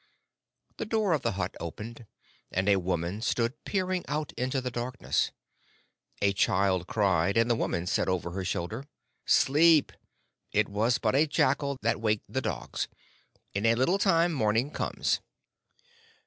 The door of the hut opened, and a woman stood peering out into the darkness. A child cried, and the woman said over her shoulder, "Sleep. It was but a jackal that waked the dogs. In a little time morning comes."